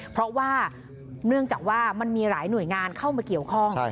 เพราะว่าเนื่องจากว่ามันมีหลายหน่วยงานเข้ามาเกี่ยวข้อง